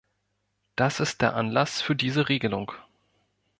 Das ist der Anlass für diese Regelung.